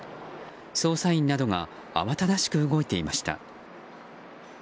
捜査員などが慌ただしく動いていました。